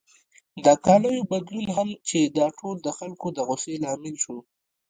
د کالیو بدلون هم چې دا ټول د خلکو د غوسې لامل شو.